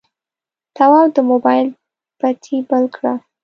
تواب د موبایل بتۍ بل کړه.